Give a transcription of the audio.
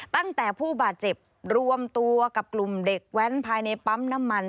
ตั้งแต่ผู้บาดเจ็บรวมตัวกับกลุ่มเด็กแว้นภายในปั๊มน้ำมัน